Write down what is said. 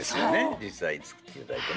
実際作って頂いてね。